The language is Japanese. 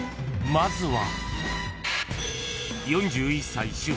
［まずは］